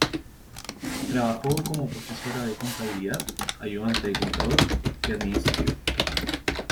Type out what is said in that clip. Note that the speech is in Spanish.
Trabajó como profesora de contabilidad, ayudante de contador y administrativa.